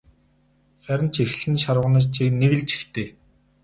Харин ч эрхлэн шарваганаж нэг л жигтэй.